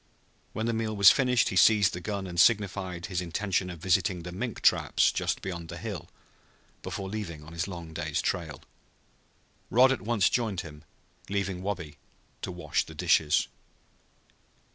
When the meal was finished he seized his gun and signified his intention of visiting the mink traps just beyond the hill before leaving on his long day's trail. Rod at once joined him, leaving Wabi to wash the dishes.